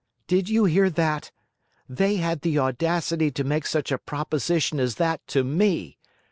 Did you hear that? They had the audacity to make such a proposition as that to me!